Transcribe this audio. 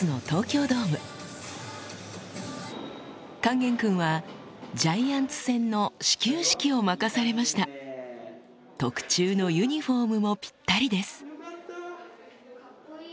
勸玄君はジャイアンツ戦の始球式を任されました特注のユニホームもぴったりですカッコいい。